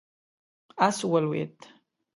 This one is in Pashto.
آس ولوېد.